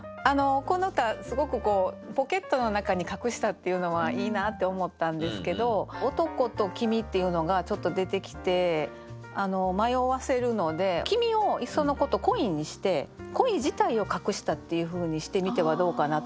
この歌すごく「ポケットの中に隠した」っていうのはいいなって思ったんですけど「男」と「君」っていうのがちょっと出てきて迷わせるので「君」をいっそのこと「恋」にして恋自体を隠したっていうふうにしてみてはどうかなと。